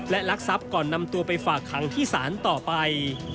และลักทรัพย์ก่อนนำตัวไปฝากขังที่ศาลต่อไป